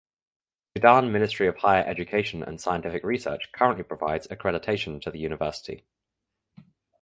Sudan Ministry of Higher Education and Scientific Research currently provides accreditation to the university.